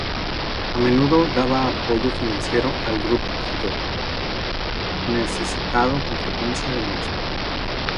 A menudo daba apoyo financiero al Group Theatre, necesitado con frecuencia del mismo.